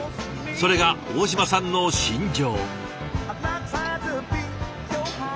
それが大嶋さんの信条。